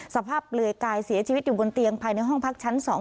เปลือยกายเสียชีวิตอยู่บนเตียงภายในห้องพักชั้น๒